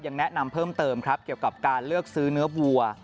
ยังแนะนำเพิ่มเติมครับเกี่ยวกับการเลือกซื้อเนื้อวัว